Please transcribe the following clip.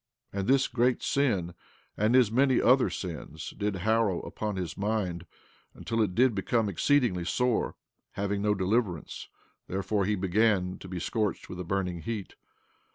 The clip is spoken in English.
And this great sin, and his many other sins, did harrow up his mind until it did become exceedingly sore, having no deliverance; therefore he began to be scorched with a burning heat.